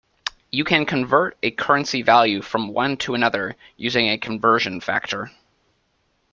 You can convert a currency value from one to another using a conversion factor.